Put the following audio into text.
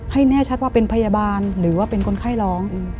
ให้แน่ชัดว่าเป็นพยาบาลหรือว่าเป็นคนไข้ร้อง